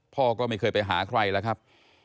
พ่อก็ไม่เคยไปหาใครแล้วครับ